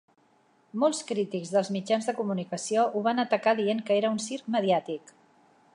Molts crítics dels mitjans de comunicació ho van atacar dient que era un "circ mediàtic".